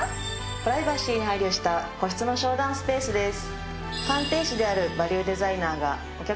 プライバシーに配慮した個室の商談スペースです。